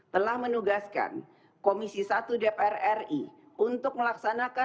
telah menugaskan komisi satu dpr ri untuk melaksanakan